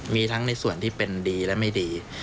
มีทั้งในส่วนที่เป็นดีและไม่ดี